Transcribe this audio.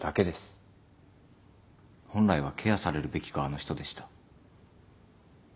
本来はケアされるべき側の人でした。